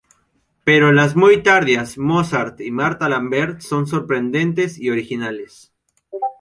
Pero las muy tardías 'Mozart' y 'Martha Lambert' son sorprendentes y originales.